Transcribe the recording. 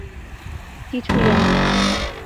কিছুই জানি না!